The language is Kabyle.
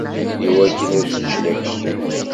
Iwakken ad ččen aksum.